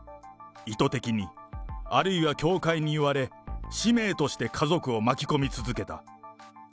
意図的に、あるいは教会に言われ、使命として家族を巻き込み続けた。